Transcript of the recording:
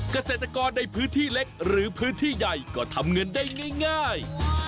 เกษตรกรในพื้นที่เล็กหรือพื้นที่ใหญ่ก็ทำเงินได้ง่าย